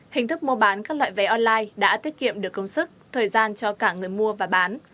hình thức mua bán các loại vé online đã tiết kiệm được công sức thời gian cho cả người mua và bán